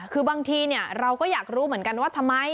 คือบางทีเราก็อยากรู้เหมือนกันว่าทำไม